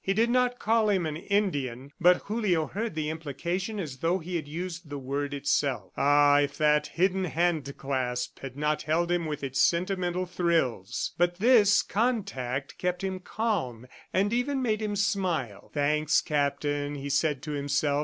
He did not call him an "Indian," but Julio heard the implication as though he had used the word itself. Ah, if that hidden handclasp had not held him with its sentimental thrills! ... But this contact kept him calm and even made him smile. "Thanks, Captain," he said to himself.